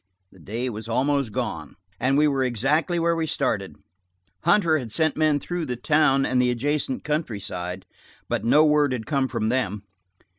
The day was almost gone, and we were exactly where we started. Hunter had sent men through the town and the adjacent countryside, but no word had come from them.